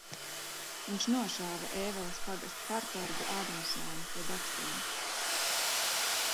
Viņš nošāva Ēveles pagasta partorgu Ādamsonu pie Dakstiem.